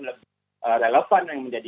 lebih relevan yang menjadi